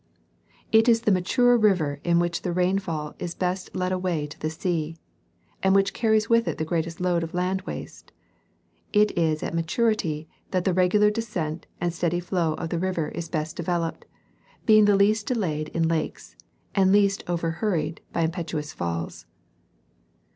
It is the mature river in which the rainfall is best lead away to the sea, and which carries with it the greatest load of land waste ; it is at maturity that the regular descent and steady flow of the river is best de veloped, being the least delayed in lakes and least overhurried in impetuous falls.